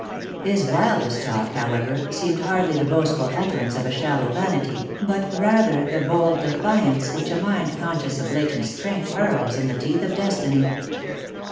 His wildest talk, how ever, seemed hardly the boastful utterance of a shallow vanity, but rather the bold defiance which a mind conscious of latent strength hurls in the teeth of destiny.